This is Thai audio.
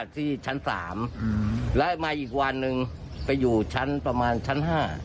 ที่ชั้น๓แล้วมาอีกวันหนึ่งไปอยู่ชั้นประมาณชั้น๕